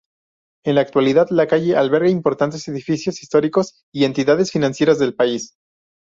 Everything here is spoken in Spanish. En la actualidad la calle alberga importantes edificios históricos y entidades financieras del país.